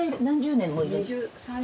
何十年。